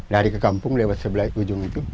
lari ke kampung lewat sebelah ujung itu